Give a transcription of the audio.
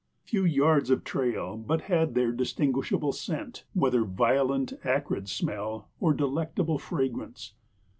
Few yards of trail but had their distinguishable scent, whether violent, acrid smell or delectable fragrance.